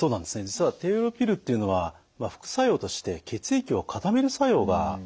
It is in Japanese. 実は低用量ピルっていうのは副作用として血液を固める作用があるんですね。